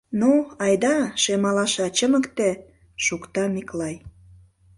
— Но, айда, шем алаша, чымыкте! — шокта Миклай.